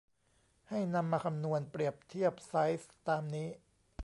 ให้นำมาคำนวณเปรียบเทียบไซซ์ตามนี้